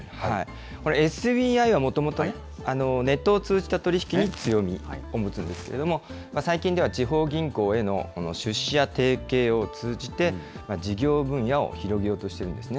これ、ＳＢＩはもともとネットを通じた取り引きに強みを持つんですけれども、最近では地方銀行への出資や提携を通じて、事業分野を広げようとしているんですね。